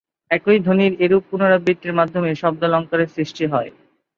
একই ধ্বনির এরূপ পুনরাবৃত্তির মাধ্যমেই শব্দালঙ্কারের সৃষ্টি হয়।